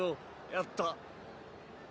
やった」